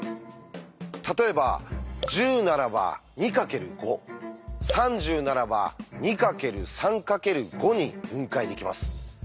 例えば１０ならば２×５３０ならば２×３×５に分解できます。